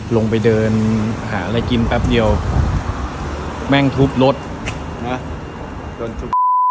ลงไปเดินหลายหลายกินแป๊ปเดียวแม่งทุบนู้ส